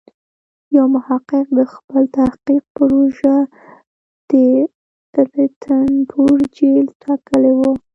یو محقق د خپل تحقیق پروژه د رنتبور جېل ټاکلی و.